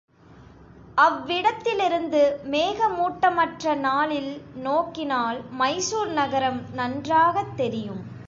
அவ்விடத்திலிருந்து மேகமூட்டமற்ற நாளில் நோக்கினால், மைசூர் நகரம் நன்றாகத் தெரியும்.